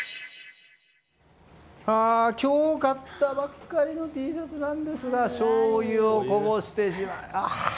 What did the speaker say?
ああ今日買ったばかりのＴシャツなんですがしょうゆをこぼしてしまいました。